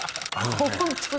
ホントに。